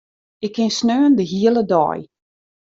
Ik kin sneon de hiele dei.